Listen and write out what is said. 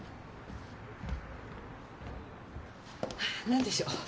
何でしょう？